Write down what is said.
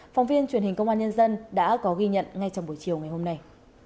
phóng viên truyền hình công an nhân dân đã có ghi nhận ngay trong buổi chiều ngày hôm nay